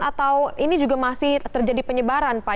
atau ini juga masih terjadi penyebaran pak